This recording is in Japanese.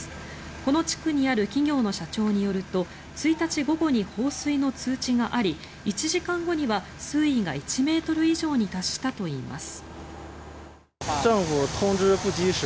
この地区にある企業の社長によると１日午後に放水の通知があり１時間後には水位が１ｍ以上に達したといいます。